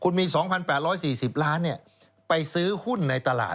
คุณมี๒๘๔๐ล้านไปซื้อหุ้นในตลาด